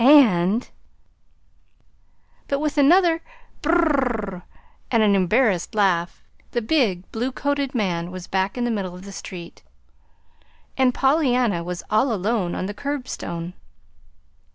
And " But with another "Brrrr!" and an embarrassed laugh, the big blue coated man was back in the middle of the street, and Pollyanna was all alone on the curbstone.